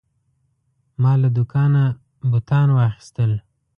ما له دوکانه بوتان واخیستل.